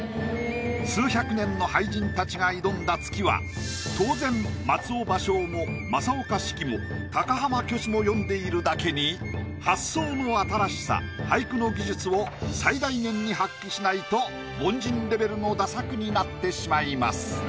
数百年の俳人たちが挑んだ「月」は当然松尾芭蕉も正岡子規も高浜虚子も詠んでいるだけに発想の新しさ俳句の技術を最大限に発揮しないと凡人レベルの駄作になってしまいます。